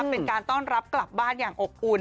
เป็นการต้อนรับกลับบ้านอย่างอบอุ่น